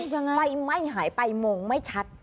ไปไม่หายไปมงไม่ชัด